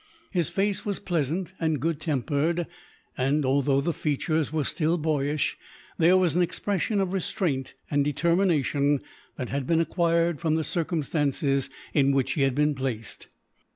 His face was pleasant and good tempered and, although the features were still boyish, there was an expression of restraint and determination that had been acquired from the circumstances in which he had been placed.